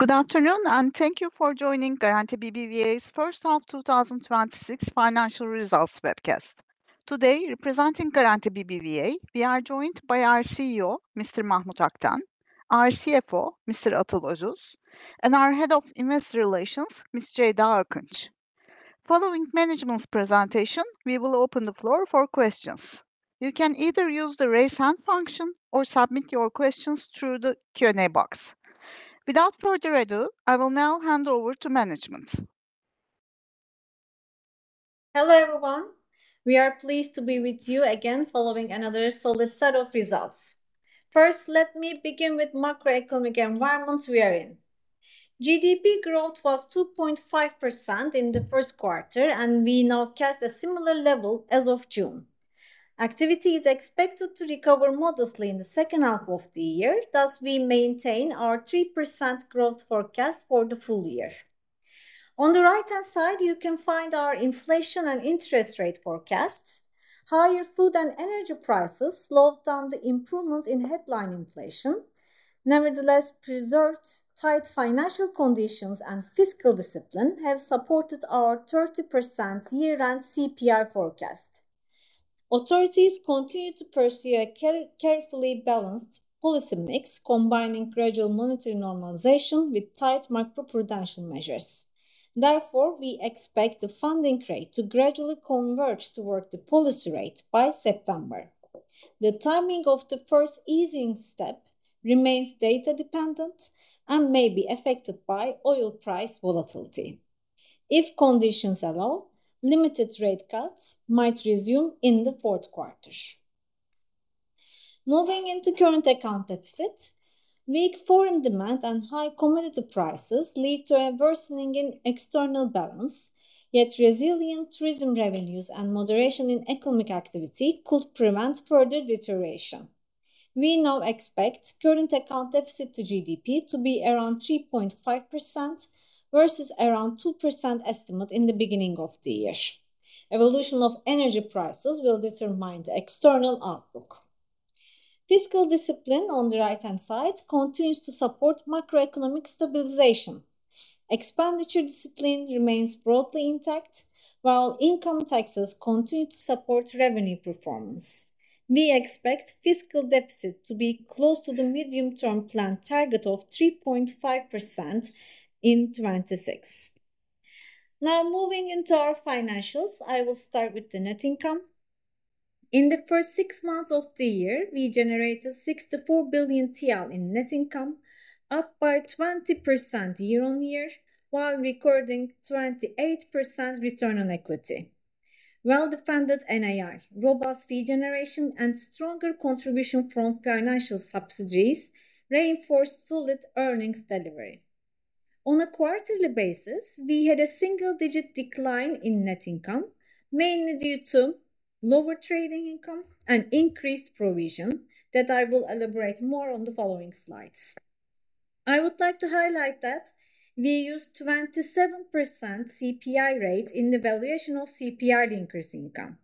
Good afternoon. Thank you for joining Garanti BBVA's first half 2026 financial results webcast. Today, representing Garanti BBVA, we are joined by our CEO, Mr. Mahmut Akten, our CFO, Mr. Atıl Özus, and our Head of Investor Relations, Ms. Ceyda Akınç. Following management's presentation, we will open the floor for questions. You can either use the raise hand function or submit your questions through the Q&A box. Without further ado, I will now hand over to management. Hello, everyone. We are pleased to be with you again following another solid set of results. First, let me begin with macroeconomic environment we are in. GDP growth was 2.5% in the first quarter. We now cast a similar level as of June. Activity is expected to recover modestly in the second half of the year thus we maintain our 3% growth forecast for the full year. On the right-hand side, you can find our inflation and interest rate forecasts. Higher food and energy prices slowed down the improvement in headline inflation. Nevertheless, preserved tight financial conditions and fiscal discipline have supported our 30% year-end CPI forecast. Authorities continue to pursue a carefully balanced policy mix, combining gradual monetary normalization with tight macro-prudential measures. We expect the funding rate to gradually converge toward the policy rate by September. The timing of the first easing step remains data dependent and may be affected by oil price volatility. If conditions allow, limited rate cuts might resume in the fourth quarter. Moving into current account deficit. Weak foreign demand and high commodity prices lead to a worsening in external balance, yet resilient tourism revenues and moderation in economic activity could prevent further deterioration. We now expect current account deficit to GDP to be around 3.5% versus around 2% estimate in the beginning of the year. Evolution of energy prices will determine the external outlook. Fiscal discipline on the right-hand side continues to support macroeconomic stabilization. Expenditure discipline remains broadly intact, while income taxes continue to support revenue performance. We expect fiscal deficit to be close to the medium-term plan target of 3.5% in 2026. Moving into our financials, I will start with the net income. In the first six months of the year, we generated 64 billion TL in net income, up by 20% year-on-year while recording 28% return on equity. Well-defended NIR, robust fee generation, and stronger contribution from financial subsidiaries reinforce solid earnings delivery. On a quarterly basis, we had a single-digit decline in net income, mainly due to lower trading income and increased provision that I will elaborate more on the following slides. I would like to highlight that we used 27% CPI rate in the valuation of CPI linker income.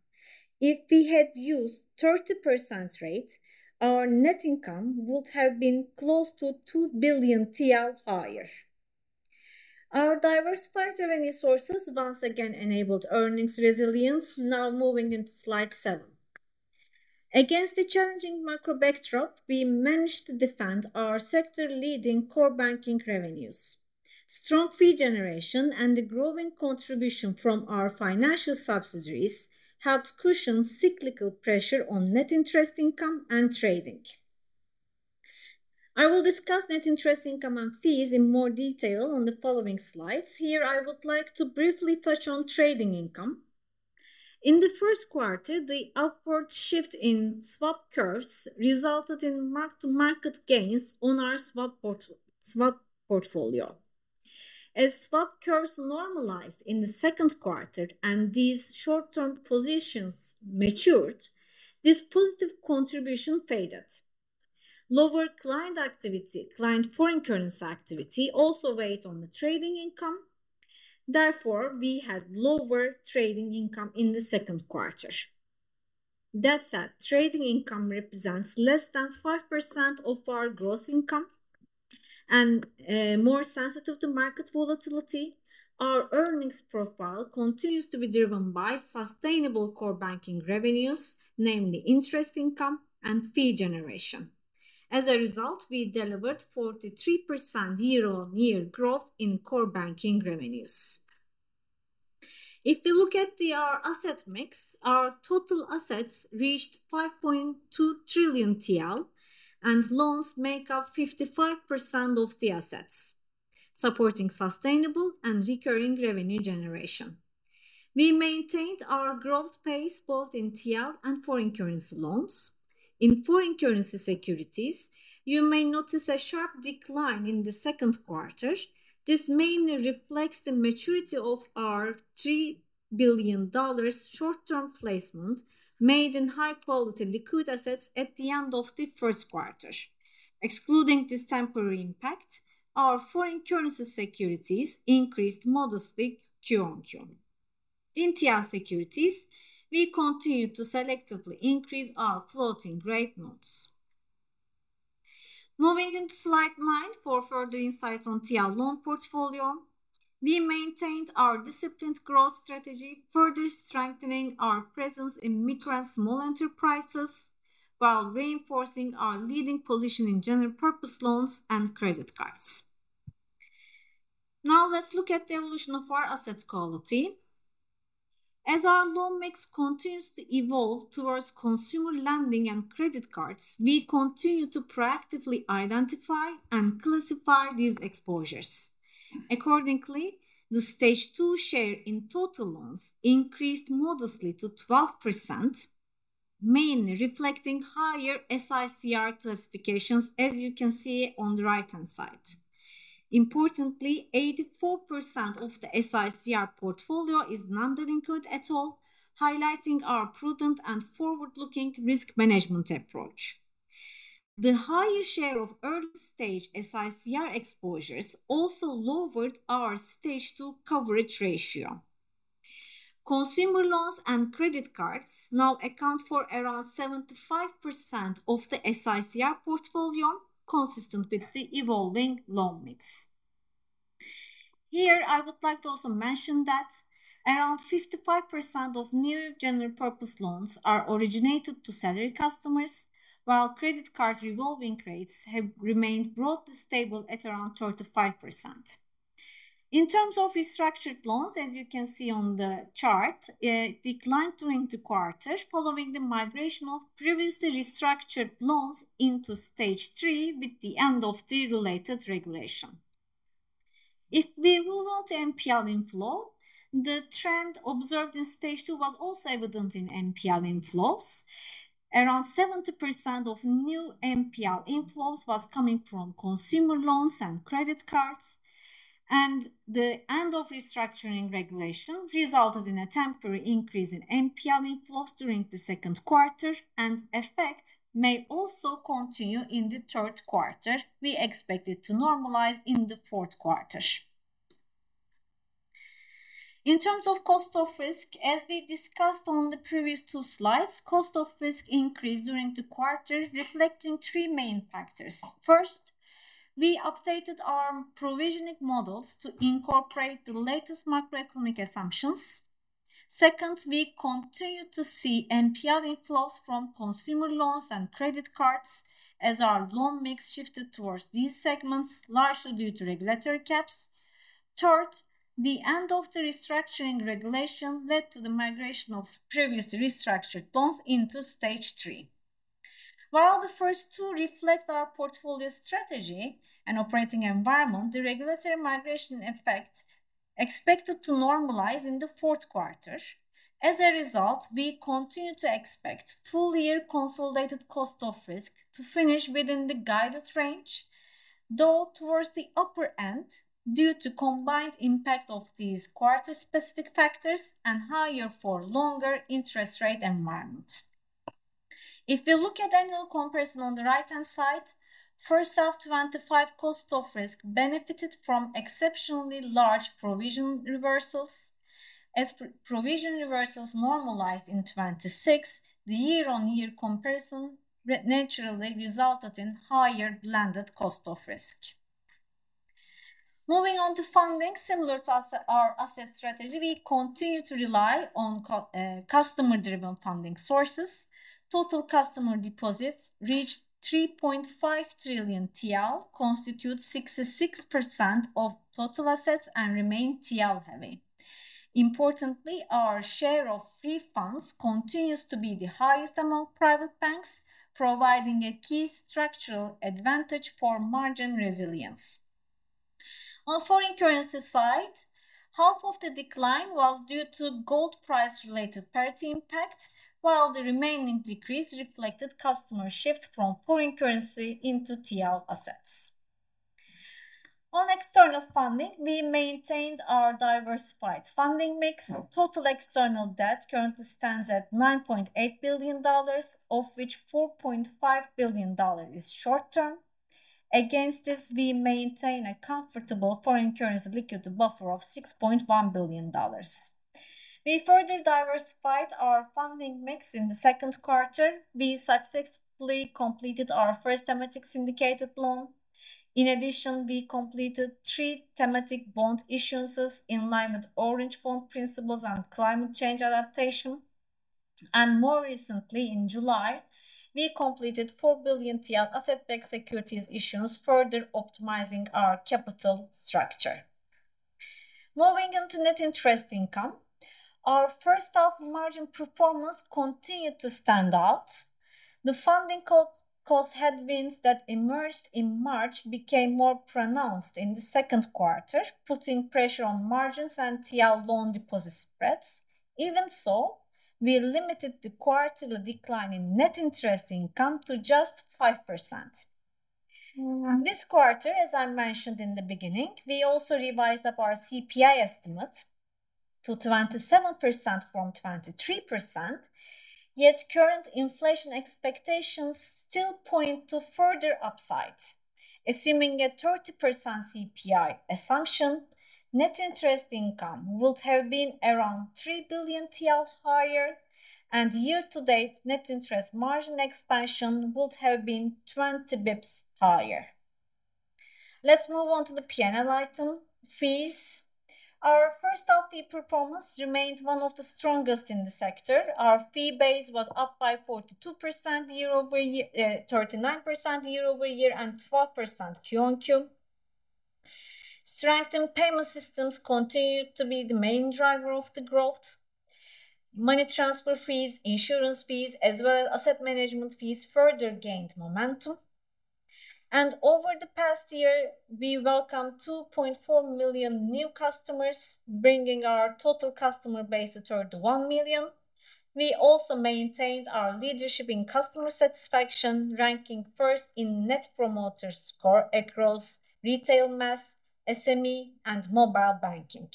If we had used 30% rate, our net income would have been close to 2 billion higher. Our diversified revenue sources once again enabled earnings resilience. Moving into slide seven. Against the challenging macro backdrop, we managed to defend our sector-leading core banking revenues. Strong fee generation and the growing contribution from our financial subsidiaries helped cushion cyclical pressure on net interest income and trading. I will discuss net interest income and fees in more detail on the following slides. Here, I would like to briefly touch on trading income. In the first quarter, the upward shift in swap curves resulted in mark-to-market gains on our swap portfolio. As swap curves normalized in the second quarter and these short-term positions matured, this positive contribution faded. Lower client foreign currency activity also weighed on the trading income, therefore, we had lower trading income in the second quarter. That said, trading income represents less than 5% of our gross income and more sensitive to market volatility. Our earnings profile continues to be driven by sustainable core banking revenues, namely interest income and fee generation. As a result, we delivered 43% year-on-year growth in core banking revenues. If we look at our asset mix, our total assets reached 5.2 trillion TL and loans make up 55% of the assets, supporting sustainable and recurring revenue generation. We maintained our growth pace both in TL and foreign currency loans. In foreign currency securities, you may notice a sharp decline in the second quarter. This mainly reflects the maturity of our $3 billion short-term placement made in high-quality liquid assets at the end of the first quarter. Excluding this temporary impact, our foreign currency securities increased modestly QoQ. In TL securities, we continue to selectively increase our Floating Rate Notes. Moving into slide nine for further insight on TL loan portfolio. We maintained our disciplined growth strategy, further strengthening our presence in micro and small enterprises, while reinforcing our leading position in general purpose loans and credit cards. Now, let's look at the evolution of our assets quality. As our loan mix continues to evolve towards consumer lending and credit cards, we continue to proactively identify and classify these exposures. Accordingly, the Stage 2 share in total loans increased modestly to 12%, mainly reflecting higher SICR classifications, as you can see on the right-hand side. Importantly, 84% of the SICR portfolio is non-delinquent at all, highlighting our prudent and forward-looking risk management approach. The higher share of early-stage SICR exposures also lowered our Stage 2 coverage ratio. Consumer loans and credit cards now account for around 75% of the SICR portfolio, consistent with the evolving loan mix. Here, I would like to also mention that around 55% of new general-purpose loans are originated to salary customers, while credit cards revolving rates have remained broadly stable at around 35%. In terms of restructured loans, as you can see on the chart, it declined during the quarter following the migration of previously restructured loans into Stage 3 with the end of the related regulation. If we move on to NPL inflow, the trend observed in Stage 2 was also evident in NPL inflows. Around 70% of new NPL inflows was coming from consumer loans and credit cards. The end of restructuring regulation resulted in a temporary increase in NPL inflows during the second quarter, and effect may also continue in the third quarter. We expect it to normalize in the fourth quarter. In terms of cost of risk, as we discussed on the previous two slides, cost of risk increased during the quarter, reflecting three main factors. First, we updated our provisioning models to incorporate the latest macroeconomic assumptions. Second, we continued to see NPL inflows from consumer loans and credit cards as our loan mix shifted towards these segments, largely due to regulatory caps. Third, the end of the restructuring regulation led to the migration of previously restructured loans into Stage 3. While the first two reflect our portfolio strategy and operating environment, the regulatory migration effect expected to normalize in the fourth quarter. As a result, we continue to expect full-year consolidated cost of risk to finish within the guided range, though towards the upper end, due to combined impact of these quarter-specific factors and higher for longer interest rate environment. If we look at annual comparison on the right-hand side, first half 2025 cost of risk benefited from exceptionally large provision reversals. As provision reversals normalized in 2026, the year-over-year comparison naturally resulted in higher blended cost of risk. Moving on to funding. Similar to our asset strategy, we continue to rely on customer-driven funding sources. Total customer deposits reached 3.5 trillion TL, constitutes 66% of total assets, and remain TL-heavy. Importantly, our share of free funds continues to be the highest among private banks, providing a key structural advantage for margin resilience. On foreign currency side, half of the decline was due to gold price-related parity impact, while the remaining decrease reflected customer shift from foreign currency into TL assets. On external funding, we maintained our diversified funding mix. Total external debt currently stands at $9.8 billion, of which $4.5 billion is short-term. Against this, we maintain a comfortable foreign currency liquidity buffer of $6.1 billion. We further diversified our funding mix in the second quarter. We successfully completed our first thematic syndicated loan. In addition, we completed three thematic bond issuances in line with Orange Bond principles on climate change adaptation. More recently, in July, we completed 4 billion TL asset-backed securities issuance, further optimizing our capital structure. Moving on to net interest income. Our first half margin performance continued to stand out. The funding cost headwinds that emerged in March became more pronounced in the second quarter, putting pressure on margins and TL loan deposit spreads. Even so, we limited the quarterly decline in net interest income to just 5%. This quarter, as I mentioned in the beginning, we also revised up our CPI estimate to 27% from 23%, yet current inflation expectations still point to further upside. Assuming a 30% CPI assumption, net interest income would have been around 3 billion TL higher, and year-to-date net interest margin expansion would have been 20 basis points higher. Let's move on to the P&L item fees. Our first half performance remained one of the strongest in the sector. Our fee base was up by 39% year-over-year and 12% QoQ. Strengthened payment systems continued to be the main driver of the growth. Money transfer fees, insurance fees, as well as asset management fees further gained momentum. Over the past year, we welcomed 2.4 million new customers, bringing our total customer base to 31 million. We also maintained our leadership in customer satisfaction, ranking first in Net Promoter Score across retail mass, SME, and mobile banking.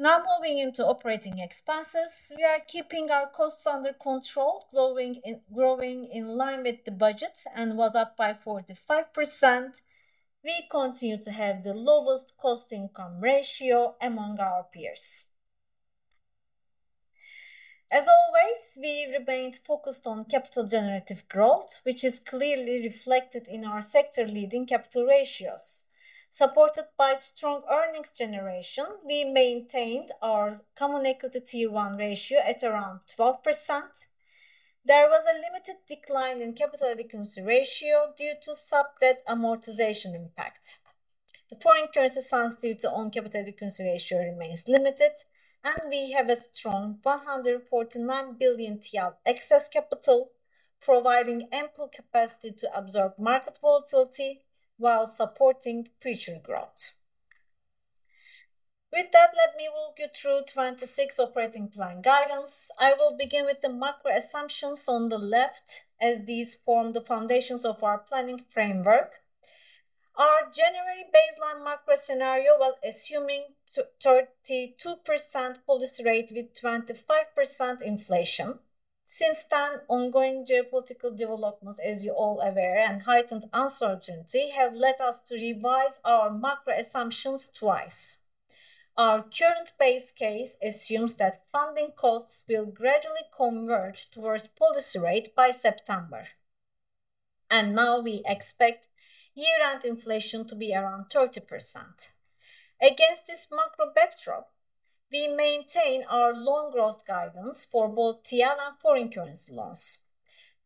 Now moving into operating expenses. We are keeping our costs under control, growing in line with the budget, was up by 45%. We continue to have the lowest cost-income ratio among our peers. As always, we remained focused on capital generative growth, which is clearly reflected in our sector-leading capital ratios. Supported by strong earnings generation, we maintained our common equity Tier 1 ratio at around 12%. There was a limited decline in capital adequacy ratio due to sub-debt amortization impact. The foreign currency sensitivity to own capital adequacy ratio remains limited, and we have a strong 149 billion TL excess capital, providing ample capacity to absorb market volatility while supporting future growth. With that, let me walk you through 2026 operating plan guidance. I will begin with the macro assumptions on the left as these form the foundations of our planning framework. Our January baseline macro scenario, while assuming 32% policy rate with 25% inflation. Since then, ongoing geopolitical developments, as you're all aware, and heightened uncertainty have led us to revise our macro assumptions twice. Our current base case assumes that funding costs will gradually converge towards policy rate by September. Now we expect year-end inflation to be around 30%. Against this macro backdrop, we maintain our loan growth guidance for both TL and foreign currency loans.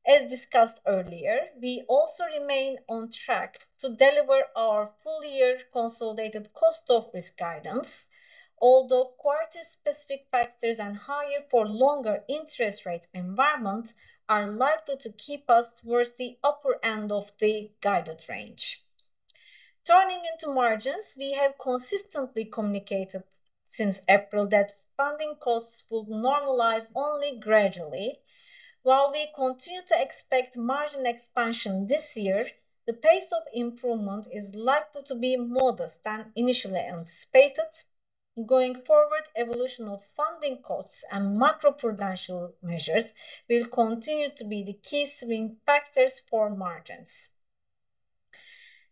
As discussed earlier, we also remain on track to deliver our full-year consolidated cost of risk guidance. Although quarter-specific factors and higher-for-longer interest rate environment are likely to keep us towards the upper end of the guided range. Turning into margins, we have consistently communicated since April that funding costs would normalize only gradually. While we continue to expect margin expansion this year, the pace of improvement is likely to be modest than initially anticipated. Going forward, evolution of funding costs and macro-prudential measures will continue to be the key swing factors for margins.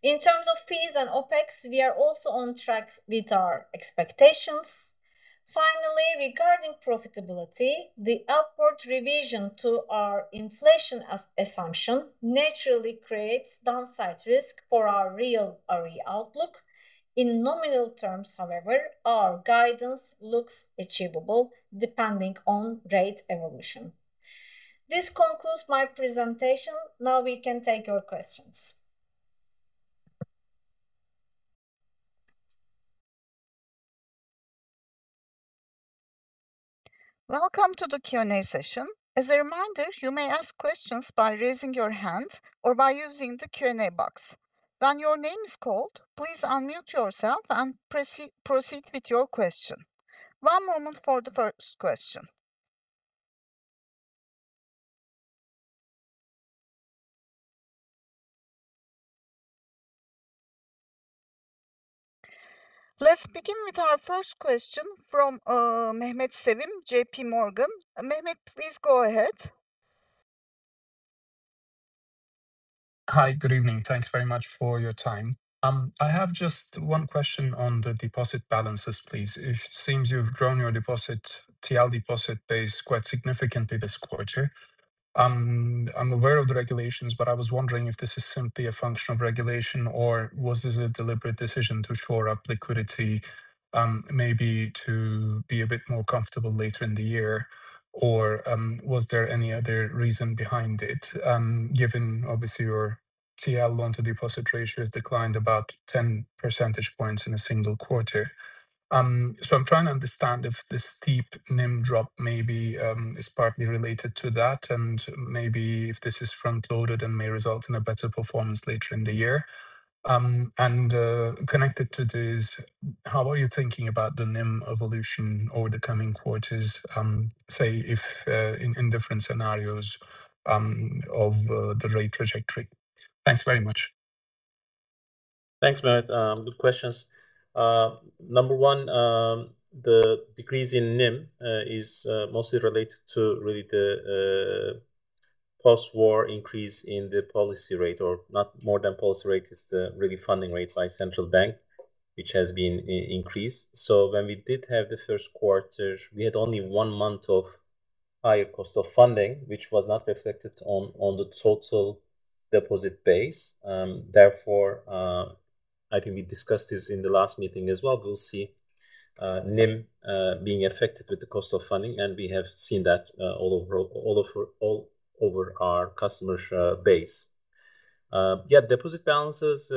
In terms of fees and OpEx, we are also on track with our expectations. Finally, regarding profitability, the upward revision to our inflation assumption naturally creates downside risk for our real ROE outlook. In nominal terms, however, our guidance looks achievable depending on rate evolution. This concludes my presentation. Now we can take your questions. Welcome to the Q&A session. As a reminder, you may ask questions by raising your hand or by using the Q&A box. When your name is called, please unmute yourself and proceed with your question. One moment for the first question. Let's begin with our first question from Mehmet Sevim, JPMorgan. Mehmet, please go ahead. Hi. Good evening. Thanks very much for your time. I have just one question on the deposit balances, please. It seems you've grown your TL deposit base quite significantly this quarter. I'm aware of the regulations. I was wondering if this is simply a function of regulation or was this a deliberate decision to shore up liquidity, maybe to be a bit more comfortable later in the year, or was there any other reason behind it? Given, obviously, your TL loan-to-deposit ratio has declined about 10 percentage points in a single quarter. I'm trying to understand if the steep NIM drop maybe is partly related to that and maybe if this is front-loaded and may result in a better performance later in the year. Connected to this, how are you thinking about the NIM evolution over the coming quarters, say, in different scenarios of the rate trajectory? Thanks very much. Thanks, Mehmet. Good questions. Number one, the decrease in NIM is mostly related to the post-war increase in the policy rate, or not more than policy rate, it's the funding rate by central bank, which has been increased. When we did have the first quarter, we had only one month of higher cost of funding, which was not reflected on the total deposit base. Therefore, I think we discussed this in the last meeting as well, we'll see NIM being affected with the cost of funding, and we have seen that all over our customer base. Yeah, deposit balances,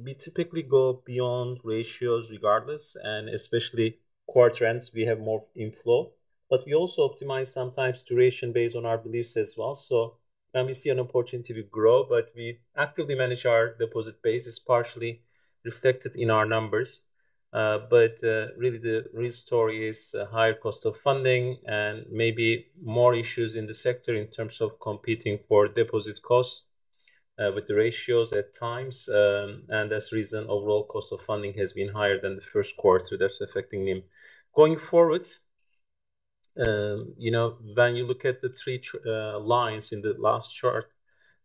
we typically go beyond ratios regardless, and especially Q4 trends, we have more inflow. We also optimize sometimes duration based on our beliefs as well. When we see an opportunity, we grow. We actively manage our deposit base. It's partially reflected in our numbers. Really the real story is higher cost of funding and maybe more issues in the sector in terms of competing for deposit costs with the ratios at times. That's the reason overall cost of funding has been higher than the first quarter. That's affecting NIM. Going forward, when you look at the three lines in the last chart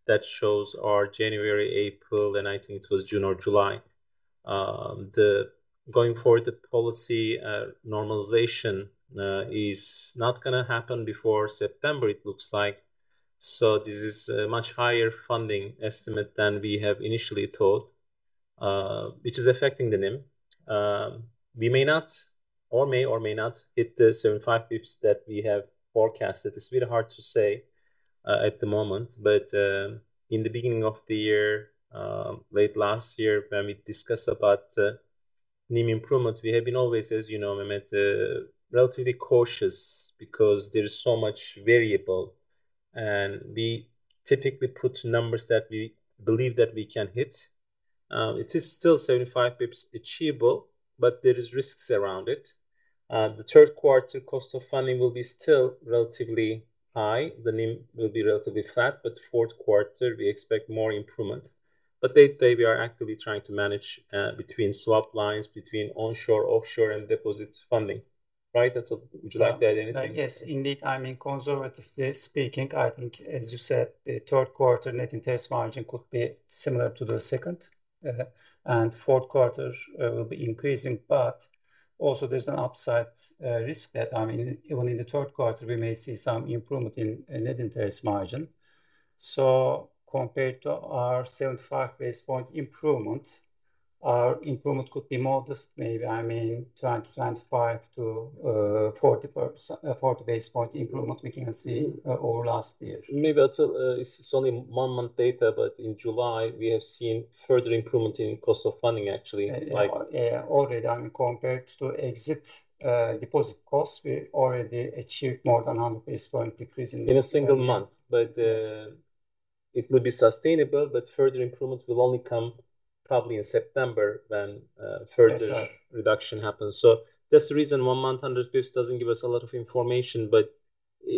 that shows our January, April, and I think it was June or July. Going forward, the policy normalization is not going to happen before September, it looks like. This is a much higher funding estimate than we have initially thought, which is affecting the NIM. We may or may not hit the 75 basis points that we have forecasted. It's a bit hard to say at the moment. In the beginning of the year, late last year, when we discussed about NIM improvement, we have been always, as you know, Mehmet, relatively cautious because there is so much variable, and we typically put numbers that we believe that we can hit. It is still 75 basis points achievable, but there is risks around it. The third quarter cost of funding will be still relatively high. The NIM will be relatively flat, fourth quarter, we expect more improvement. They say we are actively trying to manage between swap lines, between onshore, offshore, and deposit funding. Right, Atıl? Would you like to add anything? Yes, indeed. I mean, conservatively speaking, I think, as you said, the third quarter net interest margin could be similar to the second, and fourth quarter will be increasing. But also there's an upside risk, even in the third quarter, we may see some improvement in net interest margin. Compared to our 75 basis point improvement, our improvement could be modest, maybe 20 to 25 to 40 basis point improvement we can see over last year. Maybe, Atıl, it's only one-month data, in July, we have seen further improvement in cost of funding actually. Already, compared to exit deposit cost, we already achieved more than 100 basis point decrease. In a single month. It would be sustainable, but further improvements will only come probably in September when- Yes, sir.... reductions happen. That's the reason one-month 100 basis points doesn't give us a lot of information.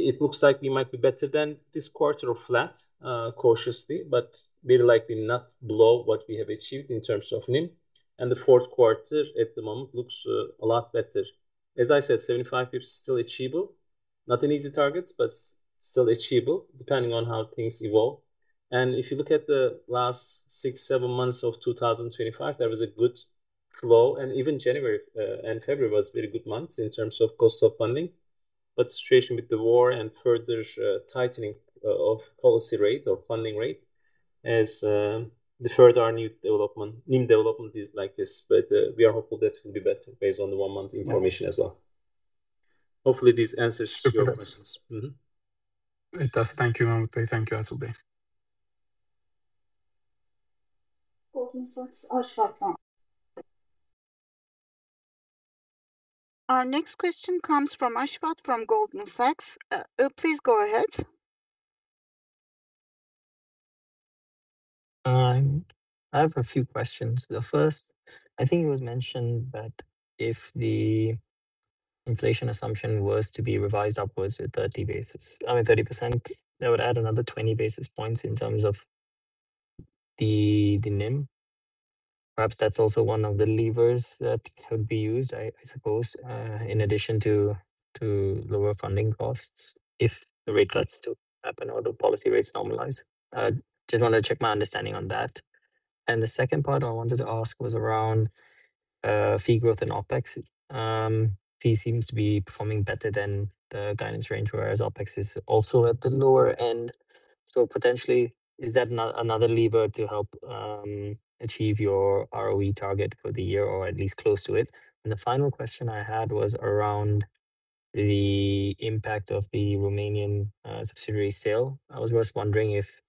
It looks like we might be better than this quarter or flat, cautiously, but very likely not below what we have achieved in terms of NIM. The fourth quarter at the moment looks a lot better. As I said, 75 basis points is still achievable. Not an easy target, but still achievable, depending on how things evolve. If you look at the last six, seven months of 2025, there was a good flow, and even January and February was very good months in terms of cost of funding. The situation with the war and further tightening of policy rate or funding rate has deferred our new development. NIM development is like this. We are hopeful that it will be better based on the one-month information as well. Hopefully, this answers your questions. Superb. It does. Thank you, Mahmut. Thank you, Atıl. Goldman Sachs, Ashwath PT. Our next question comes from Ashwath from Goldman Sachs. Please go ahead. I have a few questions. The first, I think it was mentioned that if the inflation assumption was to be revised upwards with 30%, that would add another 20 basis points in terms of the NIM. Perhaps that's also one of the levers that could be used, I suppose, in addition to lower funding costs if the rate cuts do happen or the policy rates normalize. Just wanted to check my understanding on that. The second part I wanted to ask was around fee growth and OpEx. Fee seems to be performing better than the guidance range, whereas OpEx is also at the lower end. Potentially, is that another lever to help achieve your ROE target for the year, or at least close to it? The final question I had was around the impact of the Romanian subsidiary sale. I was just wondering if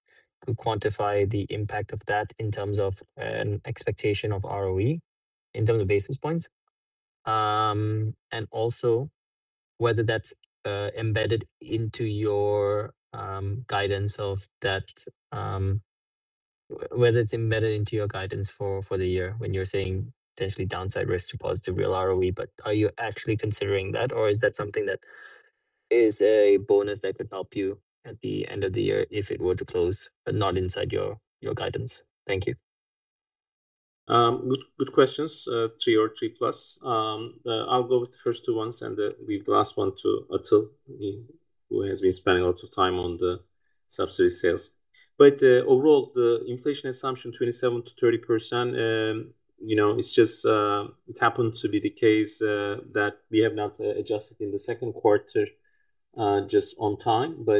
you could quantify the impact of that in terms of an expectation of ROE in terms of basis points. Also whether that's embedded into your guidance of that, whether it's embedded into your guidance for the year when you're saying potentially downside risk to positive real ROE. Are you actually considering that, or is that something that is a bonus that could help you at the end of the year if it were to close, but not inside your guidance. Thank you. Good questions, three or 3+. I will go with the first two ones, and leave the last one to Atıl, who has been spending a lot of time on the subsidiary sale. Overall, the inflation assumption 27%-30%, it happened to be the case that we have not adjusted in the second quarter, just on time. I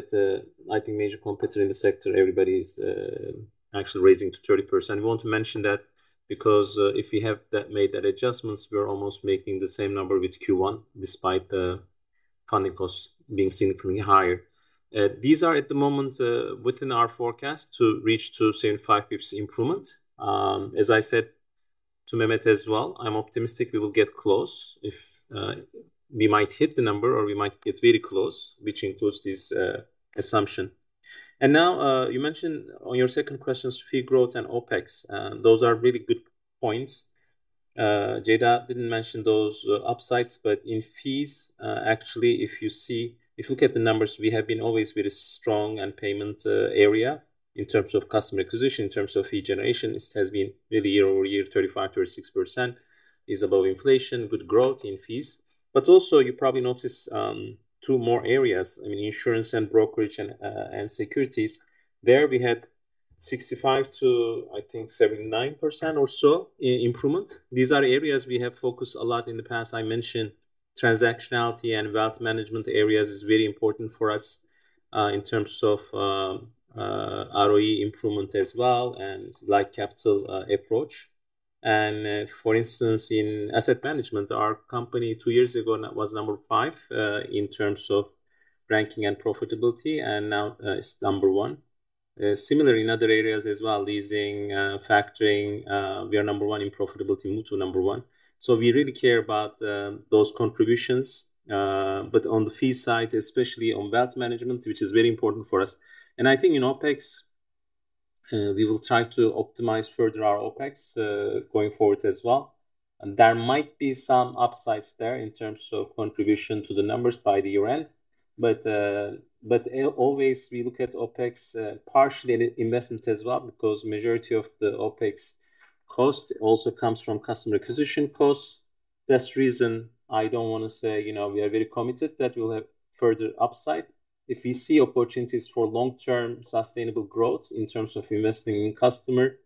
think major competitor in the sector, everybody is actually raising to 30%. We want to mention that because if we have made that adjustments, we are almost making the same number with Q1, despite the funding costs being significantly higher. These are, at the moment, within our forecast to reach to 75 basis points improvement. As I said to Mehmet as well, I am optimistic we will get close if we might hit the number or we might get very close, which includes this assumption. Now, you mentioned on your second questions, fee growth and OpEx. Those are really good points. Ceyda did not mention those upsides, in fees, actually, if you look at the numbers, we have been always very strong in payment area in terms of customer acquisition, in terms of fee generation. It has been really year-over-year, 35%, 36% is above inflation. Good growth in fees. Also you probably noticed two more areas, insurance and brokerage, and securities. There we had 65%-79% or so improvement. These are areas we have focused a lot in the past. I mentioned transactionality and wealth management areas is very important for us, in terms of ROE improvement as well, and light capital approach. For instance, in asset management, our company two years ago was number five in terms of ranking and profitability, and now it is number one. Similar in other areas as well, leasing, factoring, we are number one in profitability. Move to number one. We really care about those contributions. On the fee side, especially on wealth management, which is very important for us. I think in OpEx, we will try to optimize further our OpEx, going forward as well. There might be some upsides there in terms of contribution to the numbers by the year-end. Always we look at OpEx, partially investment as well, because majority of the OpEx cost also comes from customer acquisition costs. That is the reason I do not want to say we are very committed that we will have further upside. If we see opportunities for long-term sustainable growth in terms of investing in customer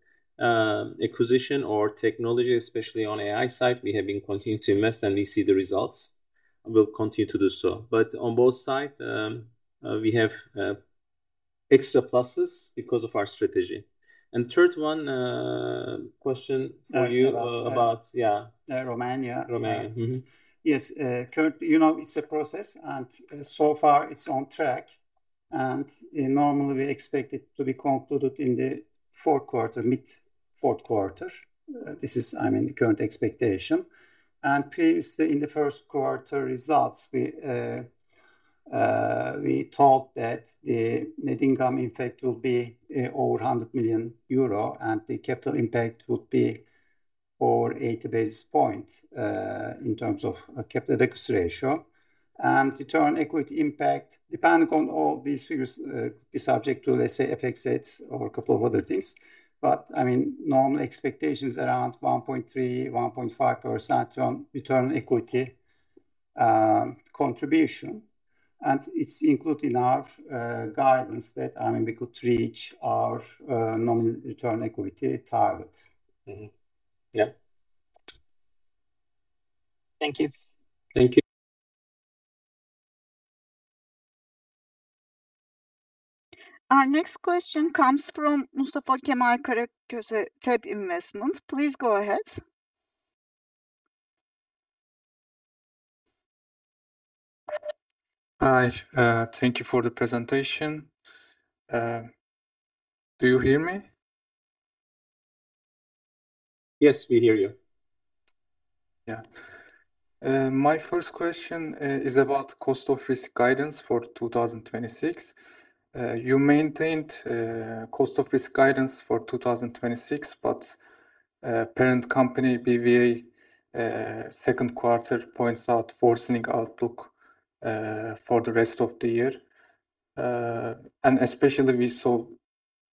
acquisition or technology, especially on AI side, we have been continuing to invest and we see the results, we will continue to do so. On both sides, we have extra pluses because of our strategy. Third one, question for you about- Romania. Romania. Yes. Currently, it's a process, and so far it's on track, and normally we expect it to be concluded in the mid-fourth quarter. This is the current expectation. Previously in the first quarter results, we thought that the net income impact will be over 100 million euro, and the capital impact would be over 80 basis points, in terms of capital ratio. Return equity impact, depending on all these figures, could be subject to, let's say, FX hits or a couple of other things. Normal expectations around 1.3%-1.5% on return equity contribution, and it's included in our guidance that we could reach our nominal return equity target. Yeah. Thank you. Thank you. Our next question comes from Mustafa Kemal Karaköse, TEB Investment. Please go ahead. Hi. Thank you for the presentation. Do you hear me? Yes, we hear you. Yeah. My first question is about cost of risk guidance for 2026. You maintained cost of risk guidance for 2026, but parent company, BBVA, second quarter points out worsening outlook for the rest of the year. Especially we saw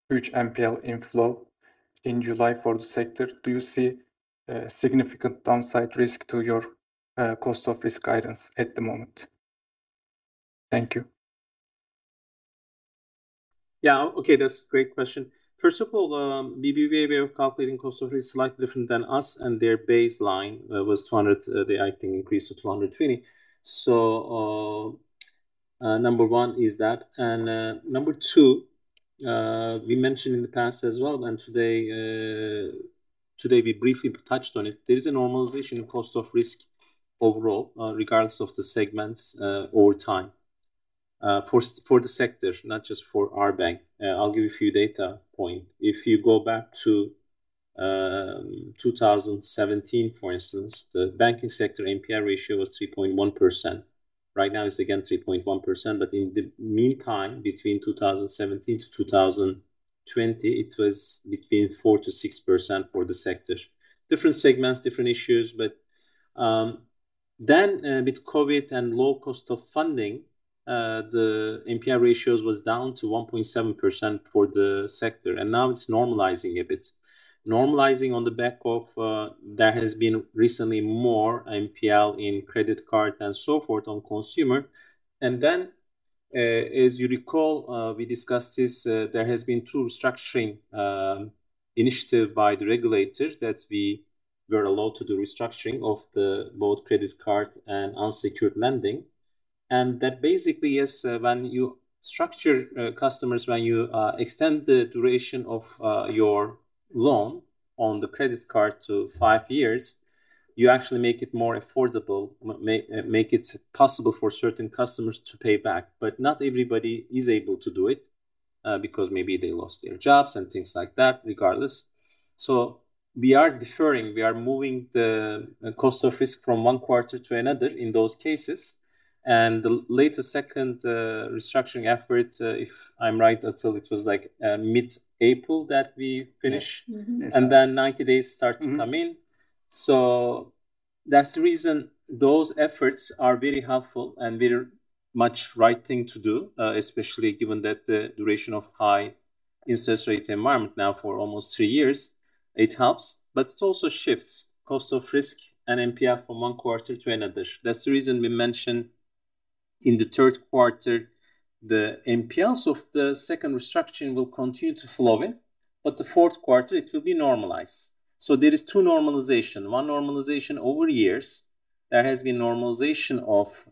huge NPL inflow in July for the sector. Do you see a significant downside risk to your cost of risk guidance at the moment? Thank you. Yeah. Okay. That's a great question. First of all, BBVA way of calculating cost of risk is slightly different than us, their baseline was 200. They, I think, increased to 220. Number one is that. Number two, we mentioned in the past as well, today we briefly touched on it. There is a normalization in cost of risk overall, regardless of the segments, over time for the sector, not just for our bank. I'll give you a few data point. If you go back to 2017, for instance, the banking sector NPL ratio was 3.1%. Right now, it's again 3.1%, but in the meantime, between 2017 to 2020, it was between 4%-6% for the sector. Different segments, different issues. Then with COVID and low cost of funding, the NPL ratios was down to 1.7% for the sector, now it's normalizing a bit. Normalizing on the back of, there has been recently more NPL in credit card and so forth on consumer. As you recall, we discussed this, there has been two restructuring initiative by the regulators that we were allowed to do restructuring of the both credit card and unsecured lending. That basically is when you structure customers, when you extend the duration of your loan on the credit card to five years, you actually make it more affordable, make it possible for certain customers to pay back. Not everybody is able to do it, because maybe they lost their jobs and things like that regardless. We are deferring, we are moving the cost of risk from one quarter to another in those cases. The later second restructuring effort, if I'm right, Atıl, it was mid-April that we finished. Yes. Then 90 days start to come in. That's the reason those efforts are very helpful, and very much right thing to do, especially given that the duration of high interest rate environment now for almost two years, it helps. It also shifts cost of risk and NPL from one quarter to another. That's the reason we mentioned in the third quarter, the NPLs of the second restructuring will continue to flow in, but the fourth quarter, it will be normalized. There is two normalization. One normalization over years. There has been normalization of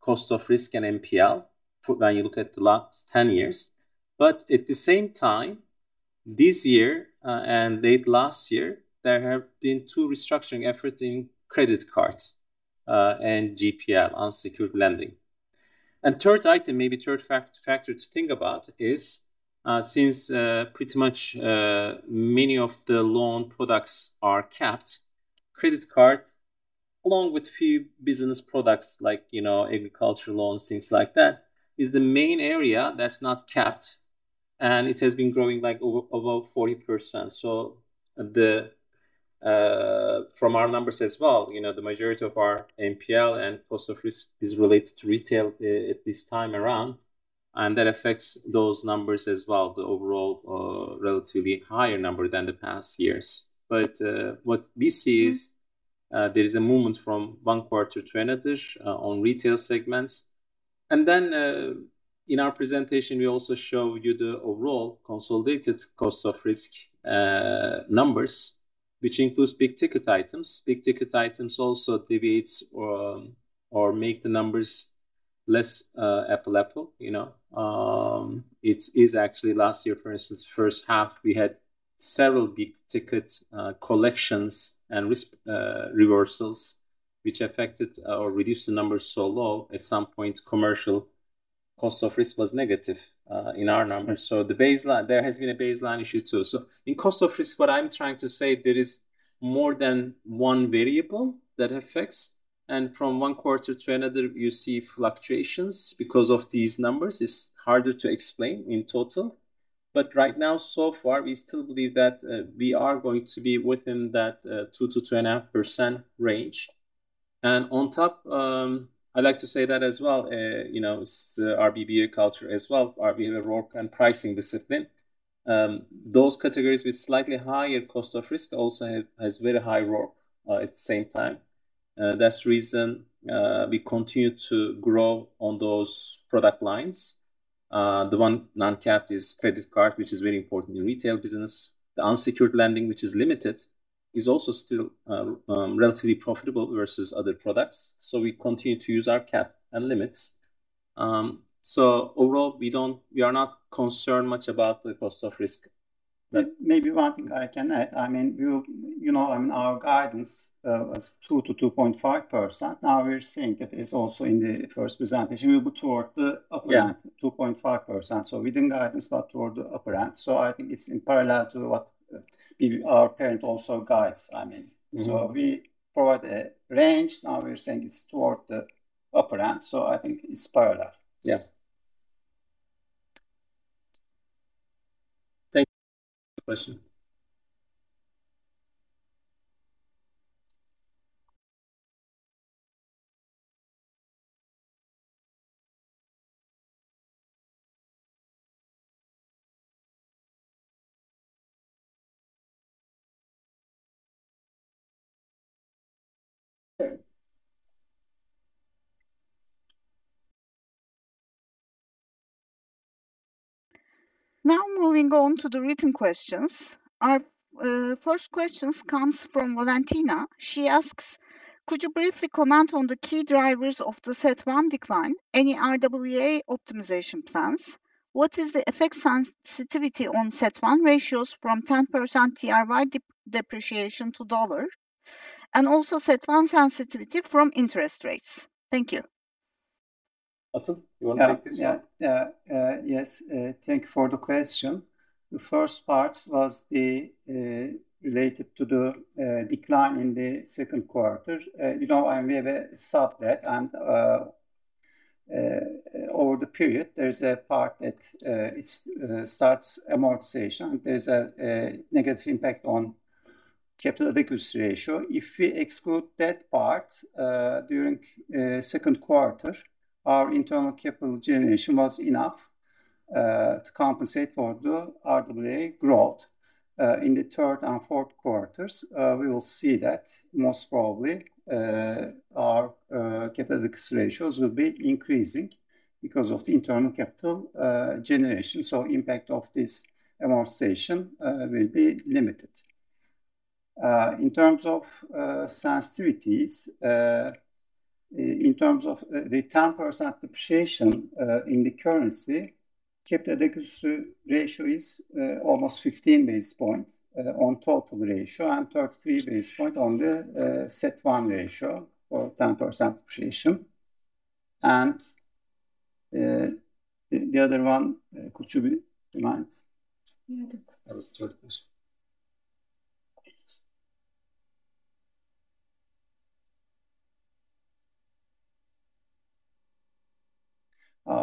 cost of risk and NPL when you look at the last 10 years. At the same time, this year and late last year, there have been two restructuring effort in credit cards, and GPL, unsecured lending. Third item, maybe third factor to think about is, since pretty much many of the loan products are capped, credit card, along with few business products like agriculture loans, things like that, is the main area that's not capped, and it has been growing above 40%. From our numbers as well, the majority of our NPL and cost of risk is related to retail at this time around. That affects those numbers as well, the overall relatively higher number than the past years. What we see is, there is a movement from one quarter to another on retail segments. Then in our presentation, we also show you the overall consolidated cost of risk numbers, which includes big-ticket items. Big-ticket items also deviates or make the numbers less apple-apple. It is actually last year, for instance, first half, we had several big-ticket collections and risk reversals, which affected or reduced the numbers so low, at some point, commercial cost of risk was negative in our numbers. There has been a baseline issue, too. In cost of risk, what I'm trying to say, there is more than one variable that affects. From one quarter to another, you see fluctuations because of these numbers. It's harder to explain in total. Right now, so far, we still believe that we are going to be within that 2%-2.5% range. On top, I'd like to say that as well, it's our BBVA culture as well, our BBVA ROR and pricing discipline. Those categories with slightly higher cost of risk also has very high ROR at the same time. That's the reason we continue to grow on those product lines. The one non-capped is credit card, which is very important in retail business. The unsecured lending, which is limited, is also still relatively profitable versus other products. We continue to use our cap and limits. Overall, we are not concerned much about the cost of risk. Maybe one thing I can add. Our guidance was 2%-2.5%. Now we're seeing it is also in the first presentation, we will be toward the upper end to 2.5%. Yeah. Within guidance, but toward the upper end. I think it's in parallel to what our parent also guides. We provide a range. Now we're saying it's toward the upper end, I think it's parallel. Yeah. Thank you. Question. Now moving on to the written questions. Our first questions comes from Valentina. She asks, could you briefly comment on the key drivers of the CET1 decline? Any RWA optimization plans? What is the effect sensitivity on CET1 ratios from 10% TL depreciation to dollar? Also CET1 sensitivity from interest rates. Thank you. Atıl, you want to take this one? Yeah. Yes. Thank you for the question. The first part was related to the decline in the second quarter. We have a sub-debt, and over the period, there is a part that it starts amortization. There is a negative impact on capital adequacy ratio. If we exclude that part during second quarter, our internal capital generation was enough to compensate for the RWA growth. In the third and fourth quarters, we will see that most probably our capital ratios will be increasing because of the internal capital generation. Impact of this amortization will be limited. In terms of sensitivities, in terms of the 10% depreciation in the currency, capital adequacy ratio is almost 15 basis points on total ratio, and 33 basis points on the CET1 ratio for 10% depreciation. The other one, could you remind? That was the third question.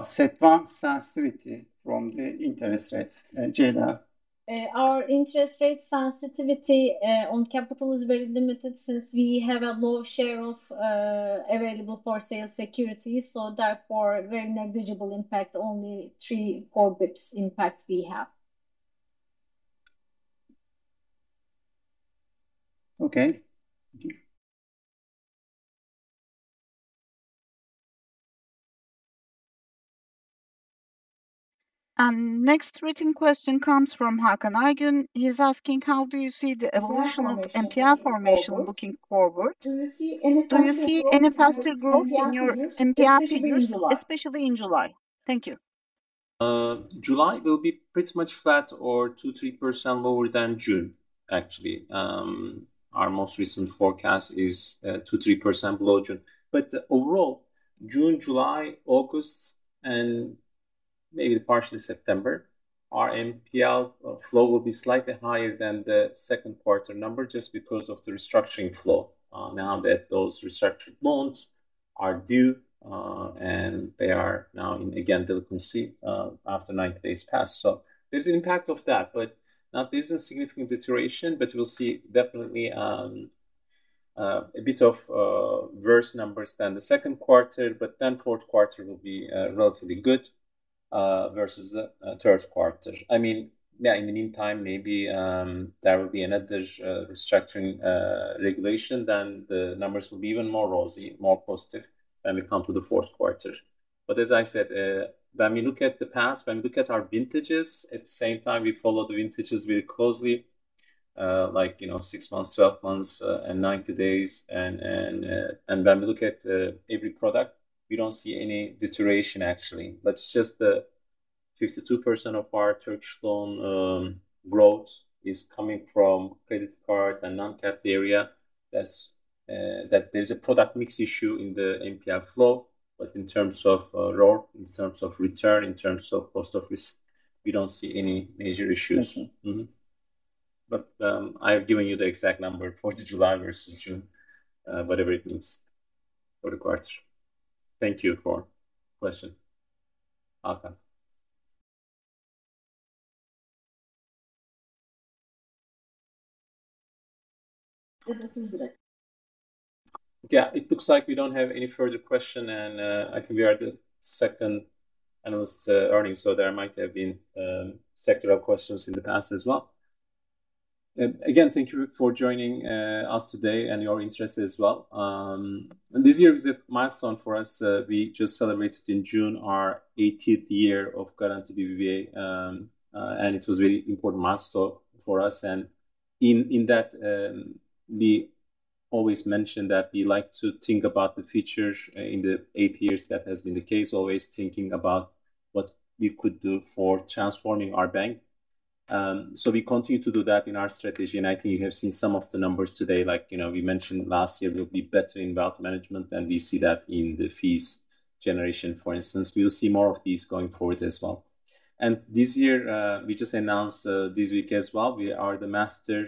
CET1 sensitivity from the interest rate. Ceyda? Our interest rate sensitivity on capital is very limited since we have a low share of available for sale securities. Therefore, very negligible impact. Only 3, 4 basis points impact we have. Okay. Thank you. Next written question comes from Hakan Aygün. He's asking, how do you see the evolution of NPL formation looking forward? Do you see any faster growth in your NPL figures, especially in July? Thank you. July will be pretty much flat or 2%, 3% lower than June, actually. Our most recent forecast is 2%, 3% below June. Overall, June, July, August, and maybe partially September, our NPL flow will be slightly higher than the second quarter number, just because of the restructuring flow. Now that those restructured loans are due, and they are now in, again, delinquency after 90 days passed. There's an impact of that, but not there's a significant deterioration, but we'll see definitely a bit of worse numbers than the second quarter, but fourth quarter will be relatively good versus the third quarter. In the meantime, maybe there will be another restructuring regulation, the numbers will be even more rosy, more positive when we come to the fourth quarter. As I said, when we look at the past, when we look at our vintages, at the same time, we follow the vintages very closely, like six months, 12 months, and 90 days. When we look at every product, we don't see any deterioration, actually. It's just that 52% of our Turkish loan growth is coming from credit card and non-cap area. There's a product mix issue in the NPL flow. In terms of ROA, in terms of return, in terms of cost of risk, we don't see any major issues. I've given you the exact number for July versus June, whatever it means for the quarter. Thank you for question, Hakan. It looks like we don't have any further question, and I think we are the second analyst earning, so there might have been sectoral questions in the past as well. Again, thank you for joining us today and your interest as well. This year is a milestone for us. We just celebrated in June our 80th year of Garanti BBVA, and it was very important milestone for us. In that, we always mention that we like to think about the future. In the eight years, that has been the case, always thinking about what we could do for transforming our bank. We continue to do that in our strategy, and I think you have seen some of the numbers today. Like we mentioned last year, we'll be better in wealth management, and we see that in the fees generation, for instance. We will see more of these going forward as well. This year, we just announced this week as well, we are the master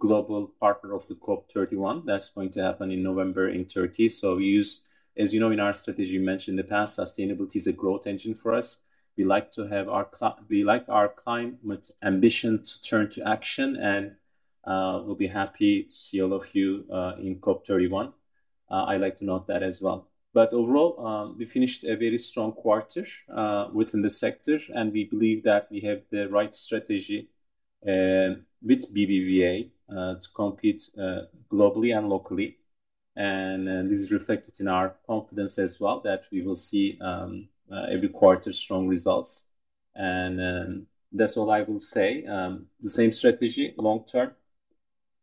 global partner of the COP 31. That's going to happen in November in Turkey. We use, as you know in our strategy we mentioned in the past, sustainability is a growth engine for us. We like our climate ambition to turn to action, and we'll be happy to see all of you in COP 31. I like to note that as well. Overall, we finished a very strong quarter within the sector, and we believe that we have the right strategy with BBVA to compete globally and locally. This is reflected in our confidence as well that we will see every quarter strong results. That's all I will say. The same strategy long-term.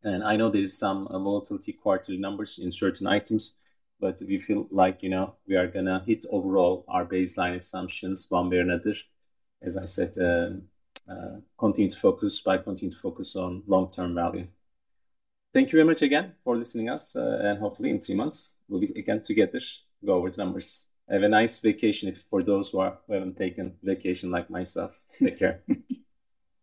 I know there is some volatility quarterly numbers in certain items, but we feel like we are going to hit overall our baseline assumptions one way or another. As I said, by continue to focus on long-term value. Thank you very much again for listening us, and hopefully in three months, we'll be again together, go over the numbers. Have a nice vacation for those who haven't taken vacation like myself. Take care.